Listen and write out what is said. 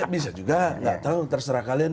bisa juga gak tau terserah kalian